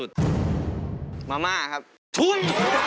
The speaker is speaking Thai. กลับมาเวลาที่